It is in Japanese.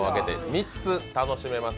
３つ楽しめます。